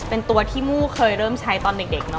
เป็นตัวที่มู่เคยเริ่มใช้ตอนเด็กเนอ